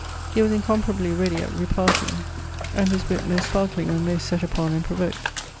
He was incomparably readie at repartyng, and his witt most sparkling when most sett upon and provoked.